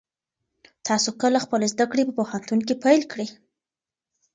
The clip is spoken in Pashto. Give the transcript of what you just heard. تاسو کله خپلې زده کړې په پوهنتون کې پیل کړې؟